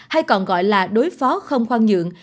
hay còn gọi là đối phó không khoan dưỡng